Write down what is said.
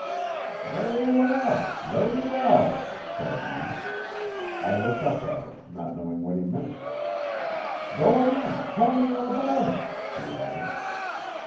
'Very well! very well!' said he. I looked up at him, not knowing what he meant. 'Go on! Tell me all about it,' he added.